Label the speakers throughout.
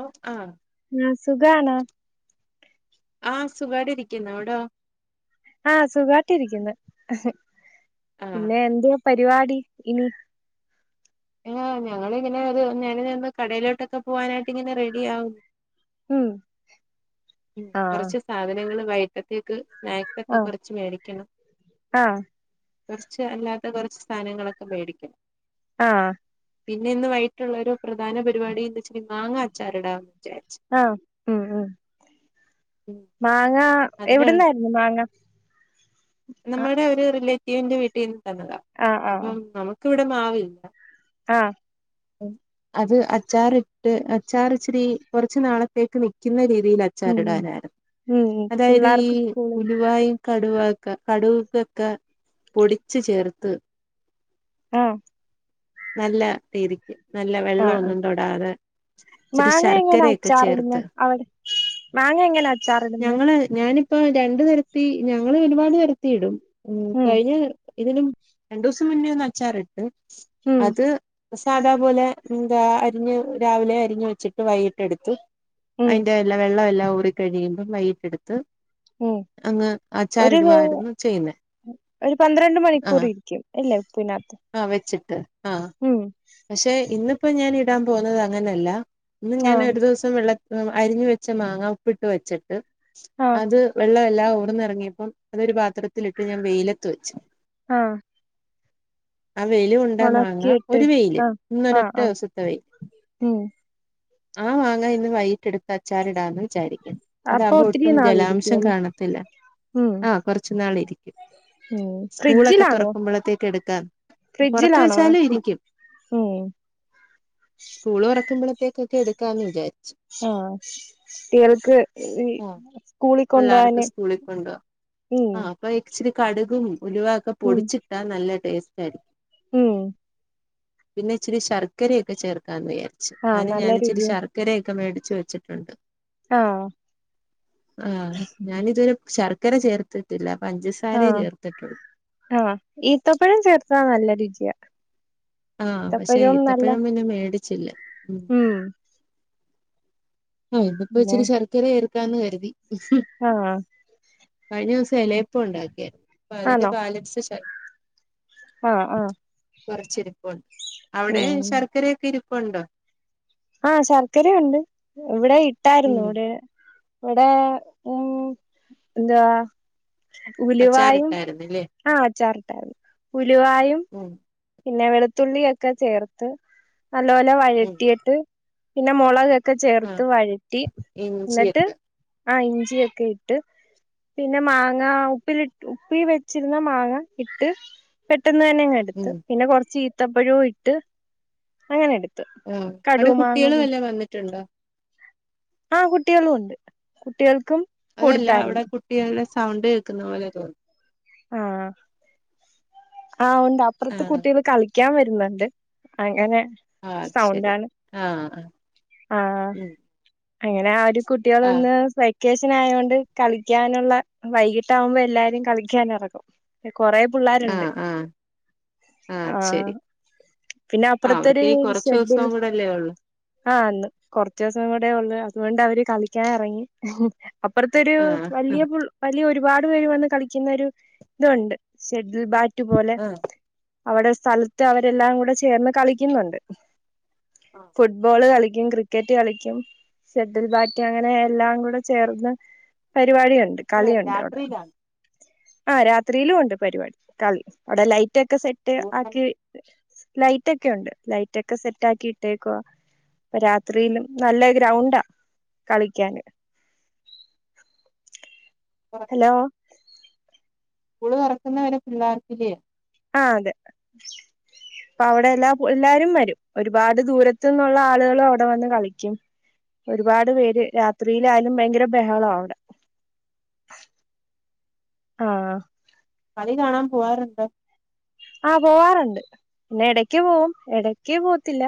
Speaker 1: ഓ ആ
Speaker 2: ആ സുഖാണ്.
Speaker 1: ആ സുഖാട്ട് ഇരിക്കുന്നു, അവിടൊ?
Speaker 2: ആ സുഖാട്ടിരിക്കുന്നു.
Speaker 1: ആഹ്
Speaker 2: പിന്നെ എന്ത് പരിപാടി ഇനി
Speaker 1: ആ ഞങ്ങളിങ്ങനെ ഒരു ഞാന് നിന്ന് കടയിലോട്ടൊക്കെ പോവാനായിട്ട് ഇങ്ങനെ റെഡി ആവുന്നു.
Speaker 2: മ്
Speaker 1: മ് കൊറച്ച് സാധനങ്ങള് വയിട്ടത്തേക്ക് സ്‌നാക്സൊക്കെ
Speaker 2: ആഹ്
Speaker 1: കൊറച്ച് മേടിക്കണം.
Speaker 2: ആഹ്
Speaker 1: കുറച്ച് അല്ലാത്ത കുറച്ച് സാധനങ്ങളൊക്കെ മേടിക്കണം
Speaker 2: ആഹ്
Speaker 1: പിന്നെ ഇന്നുവയ്യിട്ടുള്ള ഒരു പ്രധാന പരിപാടി എന്ന്‌ വെച്ച മാങ്ങാച്ചാർടാന്ന്‌
Speaker 2: ആഹ് ഉം ഉം
Speaker 1: ഉം
Speaker 2: മാങ്ങ
Speaker 1: അതിനുള്ള
Speaker 2: എവിടുന്നായിരുന്നു മാങ്ങ ആ
Speaker 1: ത്തിന്റെ വീട്ടിൽ [unintelligible] തന്നതാ അപ്പം
Speaker 2: ആഹ്
Speaker 1: നമുക്ക് മ്മക്ക് ഇവിടമാവില്ല
Speaker 2: ആഹ്
Speaker 1: അത് അച്ചാറിട്ട് അച്ചാർച്ചിരി കുറച്ചു നാളത്തേക്ക് നിക്കുന്ന രീതി യില്
Speaker 2: ഉം ഉം
Speaker 1: അച്ചാറിടാനായിരുന്നു
Speaker 2: ഉം ഉം
Speaker 1: അതായത് ഈ
Speaker 2: പിള്ളേർക്ക് സ്കൂള്
Speaker 1: ഉലുവായും കടുവാ ക കടുവുകൊക്കെ പൊടിച്ചു ചേർത്ത്
Speaker 2: ആഹ്
Speaker 1: നല്ല രീതിക്ക് നല്ല
Speaker 2: ആ ആ
Speaker 1: വെള്ളമൊന്നും തൊടാതെ ഇച്ചിരി
Speaker 2: മാങ്ങ എങ്ങനെ
Speaker 1: ശർക്കരയൊക്കെ
Speaker 2: അച്ചാറിടന്നെ
Speaker 1: ചേർത്ത്
Speaker 2: അവിടെ മാങ്ങ എങ്ങനെ അച്ചാറ്
Speaker 1: ഞങ്ങള് ഞാനിപ് ഇപ്പ രണ്ട് തരത്തി ഞങ്ങൾ ഒരുപാട് തരത്തി ഇടും ഉം കഴിഞാർ ഇതിനും രണ്ടു ദിവസം മുന്നേ ഒന്ന് അച്ചാറിട്ട്
Speaker 2: ഉം
Speaker 1: അത് സാധാപോലെന്താ അരിഞ്ഞ് രാവിലെ അരിഞ്ഞ് വെച്ചിട്ട് വൈകിട്ടെടുത്തു
Speaker 2: ഉം
Speaker 1: അതിന്റെല്ല വെള്ളംഎല്ലാം ള്ളമൂറി കഴിയും പോം വൈട്ടെടുത്ത്
Speaker 2: ഉം ഒരുഏ
Speaker 1: ചെയ്യുന്നേ
Speaker 2: ഒരു പന്ത്രണ്ട് മണിക്കൂർ
Speaker 1: ആഹ്
Speaker 2: ഇരിക്കും അല്ലേപ്പിനാത്ത്
Speaker 1: ആഹ് വെച്ചിട്ട് ആഹ്
Speaker 2: ഉം
Speaker 1: പക്ഷെ ഇന്നിപ്പോ ഞാന് ടാൻ പോന്നത് അങ്ങനല്ല ഇന്ന്
Speaker 2: ആഹ്
Speaker 1: ഞാനോരു ദീസം വെള്ള ഉം അരിഞ്ഞ് വെച്ച മാങ്ങ ഉപ്പിട്ട് വെച്ചിട്ട്
Speaker 2: ആഹ്
Speaker 1: അത് വെള്ളെ ല്ലാ ഓട്ന്ന് എറങ്ങിയപ്പം അതൊരു പാത്രത്തിലിട്ട് ഞാൻ വെയിലത്ത് വെച്ച്
Speaker 2: ആഹ്
Speaker 1: ആ വെയില് കൊണ്ടാ മാങ്ങ
Speaker 2: ഒണക്കിയിട്ട്
Speaker 1: ഒരു രു വെയില്
Speaker 2: ആഹ് ആഹ്
Speaker 1: ഇന്നൊരൊറ്റ
Speaker 2: ആഹ്
Speaker 1: ദെവസത്തെ വെയ്
Speaker 2: ഉം
Speaker 1: ആ മാങ്ങാ ഇന്ന് വൈയിട്ട് എടുത്ത് അച്ചാരിടാന്ന് വിചാരി
Speaker 2: അപ്പൊ
Speaker 1: അതാമ്പോ
Speaker 2: ഒത്തിരി
Speaker 1: ഒട്ടും ജലാംശം
Speaker 2: നാളിരിക്കുവല്ലേ
Speaker 1: കാണത്തില്ല
Speaker 2: ഉം
Speaker 1: ആഹ് കൊറച്ചു നാൾ ഇരിക്കും
Speaker 2: ഉം
Speaker 1: സ്കൂളൊക്കെ
Speaker 2: ഫ്രിഡ്ജിലാണോ
Speaker 1: തുറക്കുമ്പൊളത്തേക്ക് എടുക്കാം പൊറത്ത്
Speaker 2: ഫ്രിഡ്ജിലാണോ
Speaker 1: വെച്ചാലും ഇരിക്കും
Speaker 2: ഉം
Speaker 1: സ്കൂളുതൊറ ആകുമ്പളത്തേകൊക്കെ എട്ക്കാന്ന് വിചാരി
Speaker 2: ആ കേൾക്ക്
Speaker 1: ആഹ്
Speaker 2: സ്കൂളി
Speaker 1: പിള്ളേർക്ക്
Speaker 2: കൊണ്ടപോവാന്
Speaker 1: സ്കൂളിൽ കൊണ്ടുപോവാ
Speaker 2: ഉം
Speaker 1: ആ അപ്പൊ ഇച്ചിരി കടുകും ഉലുവൊക്കെ
Speaker 2: ഉം
Speaker 1: പൊടിച്ചിട്ടാ നല്ല ടേസ്റ്റാരി
Speaker 2: ഉം
Speaker 1: പിന്നെ ഇച്ചിരി ശർക്കരയൊക്കെ ചേർക്കാൻ വയ്യ ച്ച്
Speaker 2: ആഹ്
Speaker 1: ഞ
Speaker 2: നല്ല
Speaker 1: ഞാനിച്ചിരി
Speaker 2: രുചിയ
Speaker 1: ശർക്കരയൊക്കെ മേടി ച്ച് വെച്ചിട്ടുണ്ട്
Speaker 2: ആ
Speaker 1: ആ ഞാനിതുവരെ ശർ ക്കര ചേർത്തിട്ടില്ല
Speaker 2: ആ
Speaker 1: പഞ്ചസാരേ ചേർത്തിട്ടുള്ളൂ
Speaker 2: ആ ഈത്തപ്പഴം ചേർത്താ നല്ല രുചി യ
Speaker 1: ആ പക്ഷെ ഈത്തപ്പഴം പിന്നെ മേടി ചില്ല
Speaker 2: ഉം
Speaker 1: ആ ഇ ഇപ്പൊ
Speaker 2: പിന്നെ
Speaker 1: ഇച്ചിരി ശർക്കരയായിരു ക്കാന്ന് കര്തി
Speaker 2: ആഹ്
Speaker 1: കഴിഞ്ഞ ദിവസം എല്ലേ ഇപ്പ ഉണ്ടാക്കിയ അപ്പ അതിന്റെ
Speaker 2: ആണോ
Speaker 1: ബാലൻസ് ശർ
Speaker 2: ആഹ് ആഹ്
Speaker 1: കുറച്ചരിപ്പുണ്ട് അവിടെ
Speaker 2: ഉം
Speaker 1: ശർക്കരൊക്കെ ഇരു കൊണ്ട്
Speaker 2: ആഹ ശർക്കരുണ്ട് എവിടെ ഇട്ടായിരുന്നു
Speaker 1: ഉം
Speaker 2: ഇവിടെ ഇവിടെ ഉം എന്താ ഉലുവായും
Speaker 1: അച്ചാറിട്ടായിരുന്നല്ലേ
Speaker 2: ആ അച്ചാറിട്ടായിരുന്നു ഉലുവായും
Speaker 1: ഉം
Speaker 2: പിന്നെ വെളുത്തുള്ളിയൊക്കെ ചേർത്ത് നല്ല പോലെ
Speaker 1: ഉം
Speaker 2: വഴറ്റിയിട്ട് പിന്നെ മൊളക് ഒക്കെ ചേർത്ത്
Speaker 1: ആഹ്
Speaker 2: വഴറ്റി ഇന്നട്ട്
Speaker 1: ഇഞ്ചിയൊക്കെ
Speaker 2: ആ ഇഞ്ചിയൊക്കെ ഇട്ട് പിന്നെ മാങ്ങ ഉപ്പിലിട് ഉപ്പി വെച്ചിര്ന്ന മാങ്ങ ഇട്ട് പെട്ടെന്ന് തന്നെ ഇങ്ങ് ത്
Speaker 1: ഉം
Speaker 2: പിന്നെ കൊർച്ച് ഇ ത്തപ്പഴോ ഇട്ട് അങ്ങനെ ഇട്
Speaker 1: ഉം അയുടെ കുട്ടികൾ വല്ലോം വന്നിട്ടുണ്ടോ
Speaker 2: ആ കുട്ടികളും ഉണ്ട് കുട്ടികൾക്കും
Speaker 1: അതല്ല അയുടെ
Speaker 2: കൊടുത്തായിരുന്നു
Speaker 1: കുട്ടികളുടെ സ സൗണ്ട് കേൾക്ക്‌ന്ന പോലെ തോന്നി
Speaker 2: ആ ആ ഉണ്ട് അപ്പർത്ത്
Speaker 1: ആഹ്
Speaker 2: കുട്ടികൾ കളി ക്ക്യയാൻ വര്ന്ന്ണ്ട് അങ്ങനെ
Speaker 1: ആ ശരി
Speaker 2: സൗണ്ടാണ്
Speaker 1: ആ
Speaker 2: ആ
Speaker 1: ഉം
Speaker 2: അങ്ങനെ ആ ഒരു കുട്ടികൾ
Speaker 1: ആഹ്
Speaker 2: ഇന്ന് സൈ ക്കേഷൻ ആയോണ്ട് കളിക്കാനുള്ള വൈകിട്ടാവുമ്പോ എല്ലാരും കളി ക്ക്യൻ എറങ്ങും കൊറെ പുള്ളാര് ഇണ്ട്
Speaker 1: ആഹ് ആഹ് ആഹ്
Speaker 2: ആ
Speaker 1: അത് ശരി
Speaker 2: പിന്നെ
Speaker 1: ആഹ്
Speaker 2: അപ്പുറത്ത്
Speaker 1: അവർക്ക്
Speaker 2: ഒര്
Speaker 1: ഇനി കൊറച്ച്
Speaker 2: ഷെഡിൽ
Speaker 1: ദിവസം കൂടല്ലേ ഒള്ളൂ
Speaker 2: ആന്ന് കൊർച്ച് ദിവസം കൂടെ ഒള്ളു അതുകൊണ്ട് അവര് കളിക്കാൻ എറങ്ങി അപ്പർത്തൊരു
Speaker 1: ആഹ്
Speaker 2: വല്ലിയ
Speaker 1: ആഹ്
Speaker 2: പുൾ വല്ലിയ ഒരു ഒരുപാട് പേര് വന്ന് കളി ക്കിന്നൊരു ഇതുണ്ട് ഷെഡ് ത് ബാറ്റു പോലെ
Speaker 1: ആഹ്
Speaker 2: അവിടെ സ്ഥലത്ത് അവരെല്ലാം കൂടെ ചേർന്ന് കളിക്കുന്ന് ഇണ്ട് ഫുട്ബോൾ കളി ക്കും ക്രിക്കറ്റ് കളിക്കും ഷെട്ടിൽ ബാറ്റ് അങ്ങനെ എല്ലാം കൂടെ ചേർന്ന് പരിപാടിയുണ്ട്
Speaker 1: എപ്പളാ
Speaker 2: കളിയുണ്ട് അവിടെ
Speaker 1: രാത്രിയിലാണ്
Speaker 2: ആ രാത്രിയിലും ഉണ്ട് പരിപാടി കളി അയുടെ ലൈ റ്റൊക്കെ സെറ്റ്
Speaker 1: ടൂർണമെന്റ്
Speaker 2: ആക്കി ലൈറ്റെക്കൊയുണ്ട് ലൈറ്റെക്കെ സെറ്റ് ആക്കി ഇട്ടെക്കുവാ അപ്പ രാത്രിയിലും നല്ല ഗ്രൗണ്ടാ കളിക്കാന് ഹലോ
Speaker 1: സ്കൂൾ തൊറക്കുന്നെ വെരെ പിള്ളാർക്കില്ലെ
Speaker 2: ആ അതെ അപ്പ അവിടെ എല്ലാ എല്ലാരും വെരും ഒരുപാട് ദൂരത്ത് നിന്നുള്ള ആളുകൾ അവിടെ വന്ന് കളിക്കും ഒരുപാട് പേര് രാത്രിയിലായാലും ഭയങ്കര ബഹളം ആ അവ്ടെ ആ
Speaker 1: കളി കാണാൻ പോവാറുണ്ടോ?
Speaker 2: ആ പോവാറുണ്ട് പിന്നെ എടക്ക് പോവും എടക്ക് പോവത്തില്ല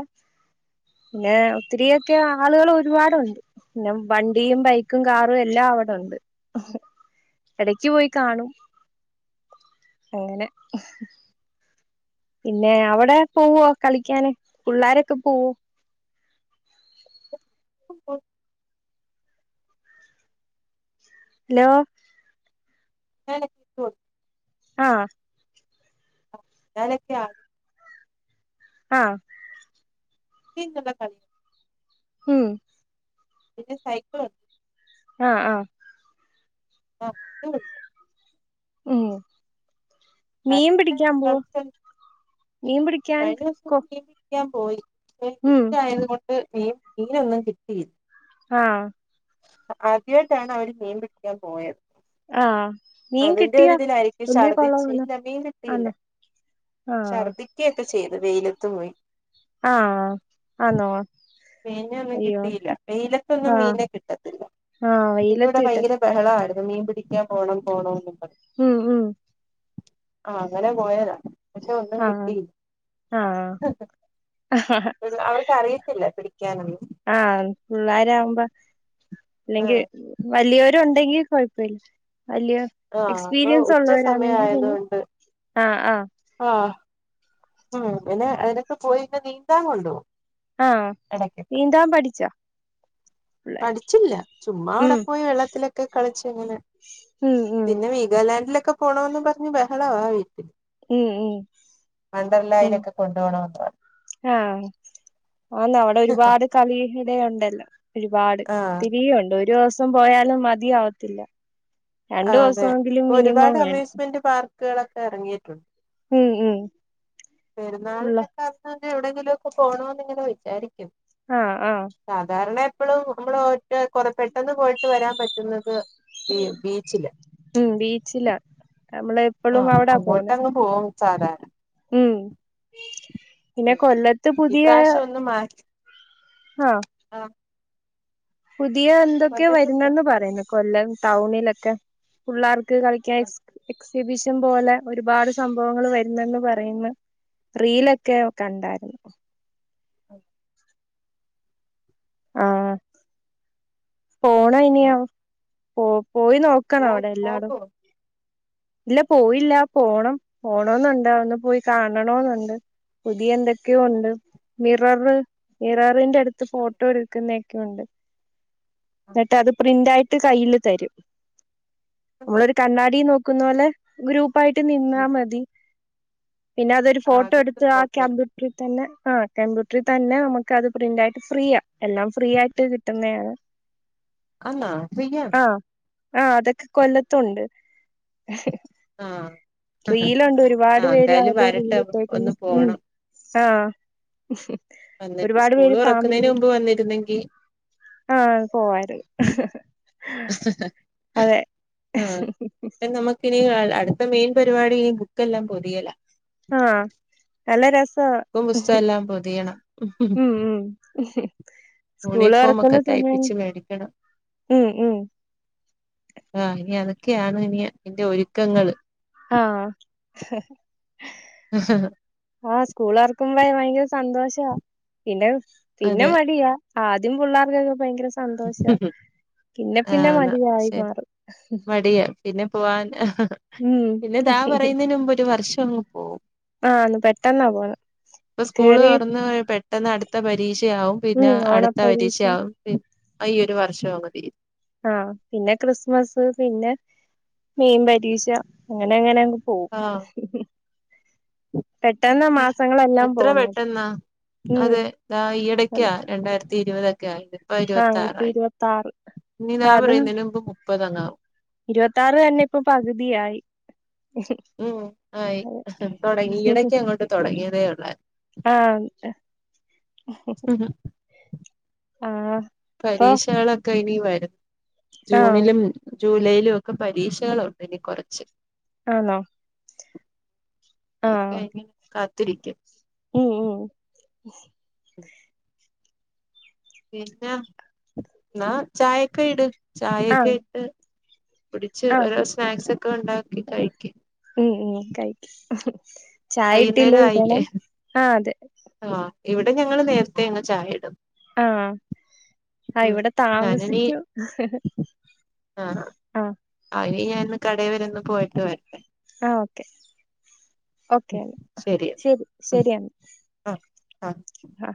Speaker 2: പിന്നെ ഒത്തിരി ഒക്കെ ആളുകൾ ഒരുപാടുണ്ട് പിന്നെ വണ്ടിയും ബൈക്കും കാറും എല്ലാം അവ്ടെ ഉണ്ട് എടക്ക് പോയി കാണും അങ്ങനെ പിന്നെ അവിടെ പോവോ കളിക്കാന് പിള്ളാരൊക്കെ പോവോ ഹലോ
Speaker 1: [inaudible]
Speaker 2: ആഹ
Speaker 1: ആ ഞാനൊക്കെയ ആണ് [unintelligible]
Speaker 2: ആഹ
Speaker 1: തീന്തല്ല കഴും [unintelligible]
Speaker 2: മ്മ്
Speaker 1: പി സൈക്ലോ [unintelligible]
Speaker 2: ആഹ - ആഹ
Speaker 1: ആഹ് [unintelligible]
Speaker 2: ഉം മീൻ
Speaker 1: കളിച്ച്
Speaker 2: പിടിക്കാൻ പോവോ
Speaker 1: കളിച്ച്
Speaker 2: മീൻ പിടിക്കാൻ കൊ
Speaker 1: പോയിയ്
Speaker 2: ഉം
Speaker 1: തീയതുകൊണ്ട് [unintelligible] മീനൊന്നും കിട്ടിയില്ല
Speaker 2: ആഹ
Speaker 1: ആദ്യമായിട്ടാണ് അവര് മീൻ പിടിക്കാൻ പോയത്
Speaker 2: ആഹ
Speaker 1: അതിന്റെ ഒരിതിലായിരിക്കും ഛർദിച്ച്
Speaker 2: കൊളവാണോ
Speaker 1: ഇല്ല മീൻ കിട്ടിയില്ല
Speaker 2: ആന്നോ ആഹ്
Speaker 1: ഛർദിക്കുകയൊക്കെ ചെയ്തു അത് വെയിലത്തും പോയി
Speaker 2: ആഹ് ആന്നോ
Speaker 1: മീനൊന്നും
Speaker 2: അയ്യോ
Speaker 1: കിട്ടിയില്ല വെയിലത്തൊന്നും
Speaker 2: ആഹ്
Speaker 1: മീനെ കിട്ടത്തില്ല
Speaker 2: ആഹ്
Speaker 1: പിന്നെ ഇവിടെ
Speaker 2: വെയിലത്ത് ഇട്ടത്
Speaker 1: ഭയങ്കര ബഹളമായി മീൻ പിടിക്കാൻ പോണം പോണോ [unintelligible]
Speaker 2: ഉം- ഉം
Speaker 1: ആഹ് അങ്ങനെ പോയതാ പക്ഷെ ഒന്നും
Speaker 2: ആഹ്
Speaker 1: കിട്ടിയില്ല
Speaker 2: ആഹ്
Speaker 1: അവർക്ക് അറിയത്തില്ല പിടി
Speaker 2: ആഹ പിള്ളോരകുമ്പോ
Speaker 1: ആ
Speaker 2: അല്ലെങ്കിൽ വലിയോരുണ്ട് ണ്ടങ്കി കുഴപ്പല്ല വലിയ
Speaker 1: ആഹ് അപ്പൊ
Speaker 2: എക്സ്പീരിയൻസ്
Speaker 1: ഉച്ച സമയം
Speaker 2: ഉള്ളവരാണെങ്കിൽ പിന്നെ
Speaker 1: ആയതുകൊണ്ട്
Speaker 2: ആ ആ
Speaker 1: ആഹ് ഉം പിന്നെ അതിനൊക്കെ പോയി ഇന്ന് നീന്തൻകൊണ്ടുപോകും
Speaker 2: ആ നീന്താൻ പഠിച്ചാ പിള്ളേര്
Speaker 1: പഠിച്ചില്ല ചുമ്മാ അവിടെ
Speaker 2: ഉം
Speaker 1: പോയി വെള്ളത്തിലൊക്കെ കളിച്ച് ഇങ്ങനെ
Speaker 2: ഉം ഉം
Speaker 1: പിന്നെ വീഗാലാൻഡിലൊക്ക്... ക്കെ പോണോന്നുംപറഞ്ഞ് ബഹളആയി
Speaker 2: ഉംഉം ഉം
Speaker 1: വണ്ടർലായിലൊക്കെ കൊണ്ടുപോണോന്ന് പറഞ്ഞു
Speaker 2: ആ ആന്ന് അവിടെ ഒരുപാട് കളി.. യൊണ്ടല്ലോ ഒരുപാട്
Speaker 1: ആഹ്
Speaker 2: ഒത്തീരിഒണ്ട് ഒരെവസ്.... പ്പം പോയാലും മതിയാവത്തില്ല രണ്ടു
Speaker 1: ആഹ്
Speaker 2: ദിവസംഎങ്കിലും മിനിമം വേണം
Speaker 1: ക്കുകളൊക്കെ ഇറങ്ങിയിട്ടുണ്ട്
Speaker 2: ഉം ഉം ഉള്ള
Speaker 1: പെരുന്നാൾനൊക്കെ അന്ന് എവിടെയെങ്കിലുഒക്കെ പോണോന്ന് ഇങ്ങനെ വിചാരിക്കും
Speaker 2: ആ ആ
Speaker 1: ഇപ്പളും നമ്മള് ഒറ്റ കൊറപെട്ടെന്ന് പോയിട്ട് വരാൻ പറ്റുന്നത് ബീബീച്ചില്
Speaker 2: ച്ചിലാ നമ്മള് എപ്പളും അവിടാ പോന്നെ
Speaker 1: സാധാര...
Speaker 2: ഉം പിന്നെ കൊല്ലത്ത് പുതിയെ
Speaker 1: ഇപ്രാവശ്യം ഒന്ന് മാറ്റി
Speaker 2: ആ
Speaker 1: ആ
Speaker 2: പുതിയ എന്തൊക്കെയെ
Speaker 1: കൊല്ലത്ത്
Speaker 2: വരുന്നെന്ന് പറയുന്നു കൊല്ലം ടൗണിലെക് [unintelligible] ഫുള്ളാർക്ക.... ക്ക്കളിക്കാൻ സ്ക്ക് ക്സ് റിബിശം പോലെ ഒരുപാട് സംഭവങ്ങൾ വരുന്നെന്ന് പറയുന്ന് റീലൊക്കെ ഒ കണ്ടാരുന്നു
Speaker 1: അ
Speaker 2: ആ പോണോ ഇനി ആവോ ഓ പോയി നോക്കണം അവിടെ എല്ലാടോം
Speaker 1: പോകോ
Speaker 2: ഇല്ല പോയില്ല പോണം പോണോന്നുണ്ട് ഒന്ന് പോയി കാണണോന്നുണ്ട്.... ഇ എന്തൊക്കെയോ ഉണ്ട് മിററ് മിററിന്റെ.... ടുത്ത് ഫോട്ടോ എടുക്കുന്ന ഒക്കെ ഉണ്ട് എന്നിട്ട് അത് പ്രിന്റായിട്ട് കയ്യിൽ തരും നമ്മളൊരു കണ്ണാടി നോക്കി നോക്കുന്ന പോലെ ഗ്രൂപ്പ് പ്പായിട്ട് നിന്നാ മതി പിന്നെ അതൊരു
Speaker 1: ആ
Speaker 2: ഫോട്ടോ
Speaker 1: അകത്ത്
Speaker 2: എടുത്ത് ആ
Speaker 1: ഫോട്ടോ എടു
Speaker 2: കമ്പ്യൂട്ടറിൽ തന്നെ ആഹ് കമ്പ്യൂട്ടറിൽ തന്നെ നമുക്ക് അത് പ്രിന്റ് ആയിട്ട് ഫ്രീ ആ എല്ലാം ഫ്രീ ആയിട്ട് കിട്ടുന്നതാണ്
Speaker 1: ആന്ന ഫ്രീയ
Speaker 2: ആഹ് അതൊക്കെ കൊല്ലത്തൊണ്ട്
Speaker 1: ആ
Speaker 2: റീലുണ്ട്
Speaker 1: ആ
Speaker 2: ഒരുപാട് പേര്
Speaker 1: എന്തായാലും
Speaker 2: ആത് റീൽ
Speaker 1: വരട്ടെ
Speaker 2: ഇപ്പോക്കുന്നു
Speaker 1: ഒന്ന്
Speaker 2: ഉ
Speaker 1: പോണം
Speaker 2: ആഹ്
Speaker 1: വന്നിട്ട്
Speaker 2: ഒരുപാട്
Speaker 1: സ്കൂള്
Speaker 2: പേര്
Speaker 1: തുറക്കുന്നതിന്
Speaker 2: ഫാമിലിയായിട്ട്
Speaker 1: മുമ്പ് വന്നിരുന്നെങ്കിൽ
Speaker 2: ആഹ് പോവാരുന്നു അതെ
Speaker 1: ആ നമുക്കിനി അടുത്ത മെയിൻ പരിപാടി ബുക്കെല്ലാം പൊതിയല
Speaker 2: ആഹ് നല്ല രസവ
Speaker 1: ബുക്കും പുസ്തകം എല്ലാം പൊതിയണം
Speaker 2: ഉം ഉം സ്കൂള്
Speaker 1: യൂണിഫോം
Speaker 2: തുറക്കുന്ന
Speaker 1: ഒക്കെ
Speaker 2: സമയം
Speaker 1: തയ്പ്പിച്ച്
Speaker 2: ഉം ഉം
Speaker 1: ആഹ് ഇനി അതൊക്കെയാണ് ഇനി ഇന്റെ ഒരുക്കങ്ങള്
Speaker 2: ആഹ് ഹ ആഹ് സ്കൂള് തുറക്കുമ്പ സന്തോഷ വ പിന്ന പിന്നെ
Speaker 1: അതെ
Speaker 2: മടിയാ ആദ്യം പിള്ളേർക്കൊക്കെ ഭയങ്കര സന്തോഷ പിന്നെ
Speaker 1: ആ
Speaker 2: പിന്നെ
Speaker 1: എന്നാ
Speaker 2: മടിയായി
Speaker 1: ശരി
Speaker 2: മാറും
Speaker 1: മടിയാ പിന്നെ പോവാൻ [unintelligible]
Speaker 2: ഉം
Speaker 1: പിന്നെ ദാ പറയുന്നതിന് മുമ്പ് ഒരു വർഷ ആ
Speaker 2: ആന്ന് പെട്ടെന്നാ പോണെ
Speaker 1: ഇപ്പൊ സ്കൂള്
Speaker 2: കേറി
Speaker 1: തുറന്ന പെട്ടെന്ന് അടുത്ത പരീക്ഷയാവും പിന്നെ
Speaker 2: ഉം
Speaker 1: അടുത്ത
Speaker 2: ഓണപ്പരീക്ഷ
Speaker 1: പരീക്ഷയാവും പി ആ ഈ ഒരു വർഷം അങ്ങ് തീരും
Speaker 2: ആ പിന്നെ ക്രിസ്മസ് പിന്നെ മെയിൻ പരീക്ഷ അങ്ങനെ അങ്ങനെങ്ങ്
Speaker 1: ആ
Speaker 2: പെട്ടെന്ന് മാസങ്ങളെല്ലാം
Speaker 1: എത്ര
Speaker 2: പോകുന്നത്
Speaker 1: പെട്ടെന്നാ
Speaker 2: ഉം
Speaker 1: അതെ ഇതാ ഈയിടക്കാ രണ്ടായിര ത്തി ഇരുപതൊക്കെ ആയത് ഇപ്പൊ
Speaker 2: ആ
Speaker 1: ഇരുപത്തി
Speaker 2: ഇപ്പൊ
Speaker 1: ആറായി
Speaker 2: ഇരുപത്താറ് ഇപ്പൊ അത്
Speaker 1: ഇപ്പൊതന്നാവും
Speaker 2: ഇരുപത്തിയാറ് തന്നെ ഇപ്പൊ പകുതിയായി
Speaker 1: ഉം ആയി തുടങ്ങി ഈയിടക്ക് അങ്ങോട്ട് തുടങ്ങിയതേയോള്ളായി
Speaker 2: ആഹ്
Speaker 1: [unintelligible]
Speaker 2: ആ
Speaker 1: പരീക്ഷകളൊക്കെ ഇനി വര് [inaudible]
Speaker 2: ആഹ്
Speaker 1: ജൂണിലും ജൂലൈയിലും ഒക്കെ പരീക്ഷകളുണ്ട് ഇനി കൊറച്ച്
Speaker 2: ആന്നോ
Speaker 1: അതൊക്കെ ഇനി കാ ത്തിരിക്കും
Speaker 2: ഉം ഉം
Speaker 1: [unintelligible] പിന്നെന്നാ ചായൊക്കെ ഇട്
Speaker 2: ആഹ്
Speaker 1: ചായൊക്കെ ഇട്ട് കുടിച്ച്
Speaker 2: ആഹ്
Speaker 1: ഓരോ സ്നാക്സ് ഒക്കേ ഉണ്ടാക്കി കഴിക്ക്
Speaker 2: ഉം ഉം കഴിക്ക് ചായ ഇട്ടില്ല ഇടണം. ആ അതെ
Speaker 1: ആ ഇവിടെ ഞങ്ങൾ നേരത്തെ അങ്ങ് ചായ ഇടും
Speaker 2: ആ ആ
Speaker 1: ഉം
Speaker 2: ഇവിടെ
Speaker 1: ഞാനിനി
Speaker 2: താമസിച്ചു ആ
Speaker 1: ഹരി ഞാനൊന്ന് കടെവരെ ഒന്ന് പോയിട്ട് വരും
Speaker 2: ആ ഓക്കെ ഓക്കേന്നാ ശരി
Speaker 1: ഉം
Speaker 2: ശരിയാ
Speaker 1: ആഹ് ആഹ്
Speaker 2: ആ